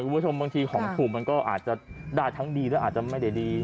เพราะว่าบางทีของถุงมันก็อาจจะได้ทั้งดีหรืออาจจะไม่ได้ดี